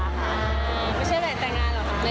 ไม่ใช่แบบแดงงานหรือเปล่า